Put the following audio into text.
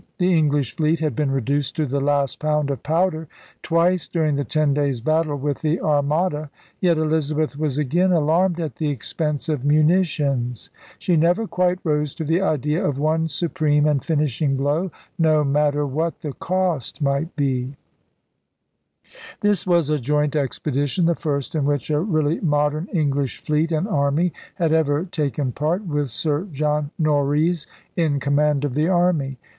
The English fleet had been reduced to the last pound of powder twice during the ten days' battle with the Armada. Yet Elizabeth was again alarmed at the expense of munitions. She never quite rose to the idea of one supreme and finishing blow, no matter what the cost might be. 192 *THE ONE AND THE FIFTY THREE' 193 This was a joint expedition, the first in which a really modern English fleet and army had ever taken part, with Sir John Norreys in command of the army.